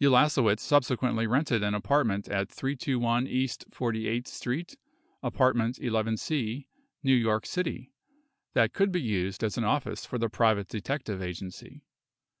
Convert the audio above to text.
Ulasewicz subsequently rented an apartment at 321 East 48th Street (apartment 11 — C) , New York City, that could be used as an office for the private detective agency.